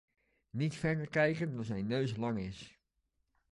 Niet verder kijken dan zijn neus lang is.